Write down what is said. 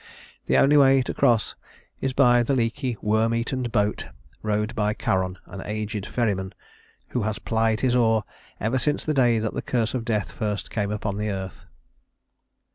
The only way to cross is by the leaky, worm eaten boat rowed by Charon, an aged ferryman who has plied his oar ever since the day that the curse of death first came upon the earth.